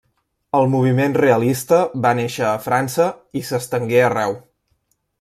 El moviment realista va néixer a França i s'estengué arreu.